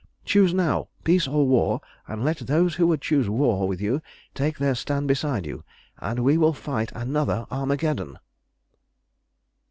Choose now, peace or war, and let those who would choose war with you take their stand beside you, and we will fight another Armageddon!"